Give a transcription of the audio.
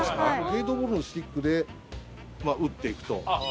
ゲートボールのスティックで打っていくと。